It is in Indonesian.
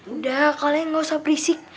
udah kalian gak usah berisik